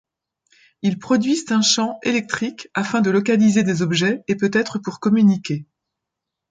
Ils produisent un champ électrique afin de localiser des objets, et peut-être pour communiquer.